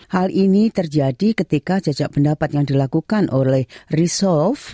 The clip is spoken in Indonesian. hal ini terjadi ketika jajak pendapat yang dilakukan oleh reserve